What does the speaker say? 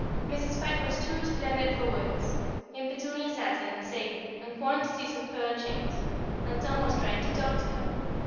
Mrs. Pike was too splendid for words, in petunia satin, and sable, and quantities of pearl chains; and Tom was trying to talk to her.